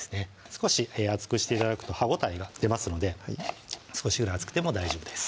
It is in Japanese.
少し厚くして頂くと歯応えが出ますので少しぐらい厚くても大丈夫です